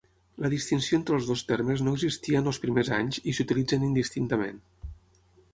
La distinció entre els dos termes no existia en els primers anys i s'utilitzen indistintament.